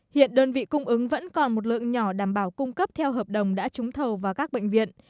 hiện đơn vị cung ứng vẫn còn một lượng nhỏ đảm bảo cung cấp theo hợp đồng đã trúng thầu vào các bệnh viện